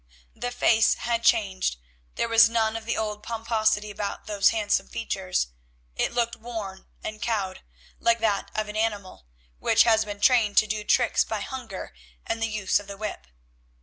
The face had changed; there was none of the old pomposity about those handsome features; it looked worn and cowed, like that of an animal which has been trained to do tricks by hunger and the use of the whip.